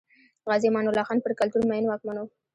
غازي امان الله خان پر کلتور مین واکمن و.